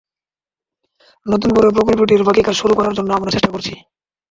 নতুন করে প্রকল্পটির বাকি কাজ শুরু করার জন্য আমরা চেষ্টা করছি।